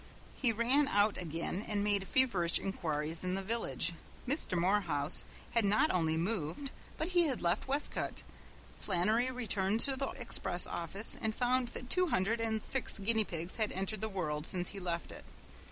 He ran out again and made feverish inquiries in the village. Mr. Morehouse had not only moved, but he had left Westcote. Flannery returned to the express office and found that two hundred and six guinea pigs had entered the world since he left it.